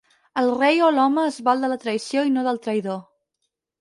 El rei o l'home es val de la traïció i no del traïdor.